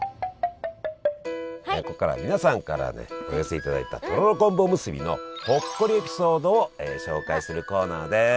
ここからは皆さんからねお寄せいただいたとろろ昆布おむすびのほっこりエピソードを紹介するコーナーです！